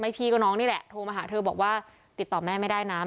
ไม่พีก็น้องนี่แหละโทรมาหาเธอบอกว่าติดต่อแม่ไม่ได้นะแม่หายตัวไป